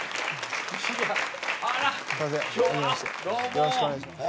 よろしくお願いします。